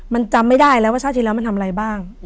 มันจำไม่ได้แล้วว่าชาติที่แล้วมันทำอะไรบ้าง